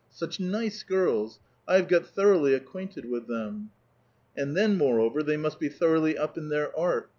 Such nice girls ! I have got thoroughly acquainted with them." '*And then, moreover, they must be thoroughly up in their art.